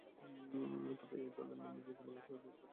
তবে এই দলে নাম লিখিয়েছেন বাংলাদেশের আরেক তারকা সাকিব আল হাসান।